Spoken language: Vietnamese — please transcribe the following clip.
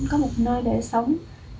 có một nơi để sống